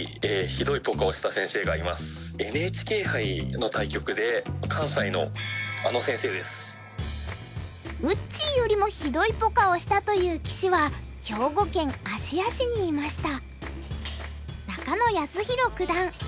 ＮＨＫ杯の対局でうっちーよりもひどいポカをしたという棋士は兵庫県芦屋市にいました。